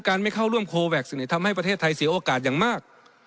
ไม่เข้าร่วมโคแวคทำให้ประเทศไทยเสียโอกาสอย่างมาก